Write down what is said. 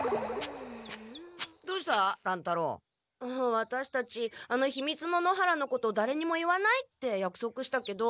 ワタシたちあのひみつの野原のことだれにも言わないってやくそくしたけど。